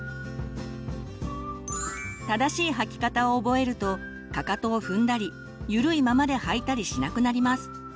正しい履き方を覚えるとかかとを踏んだりゆるいままで履いたりしなくなります。